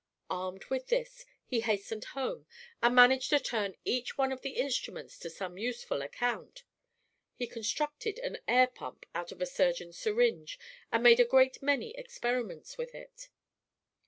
Armed with this, he hastened home, and managed to turn each one of the instruments to some useful account. He constructed an air pump out of a surgeon's syringe, and made a great many experiments with it.